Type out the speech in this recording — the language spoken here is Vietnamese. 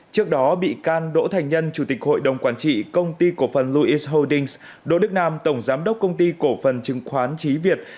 trước đó bị can đỗ thành nhân chủ tịch hội đồng quản trị công ty cổ phần louice holdings đỗ đức nam tổng giám đốc công ty cổ phần chứng khoán trí việt